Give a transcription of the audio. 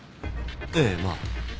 ええまあ。